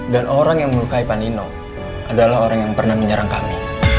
dan orang yang melukai panino adalah orang yang pernah menyerang kami